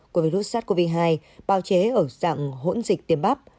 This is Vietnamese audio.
của virus sars cov hai bào chế ở dạng hỗn dịch tiêm bắp